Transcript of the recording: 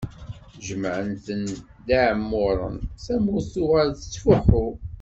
Jemɛen-ten d iɛemmuṛen, tamurt tuɣal tettfuḥu.